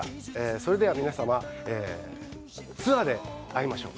それでは皆様、ツアーで会いましょう。